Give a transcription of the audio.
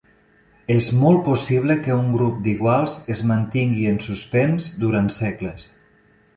És molt possible que un grup d'iguals es mantingui en suspens durant segles.